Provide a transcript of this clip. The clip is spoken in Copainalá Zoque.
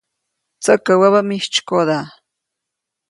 Tsäkä wäbä mijtsykoda.